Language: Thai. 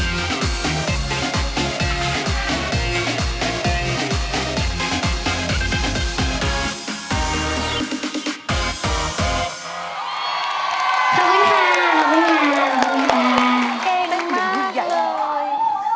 เฮ้ก็มั่นมากเลย